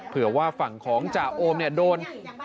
เผื่อว่าฝั่งของจาโอมโดน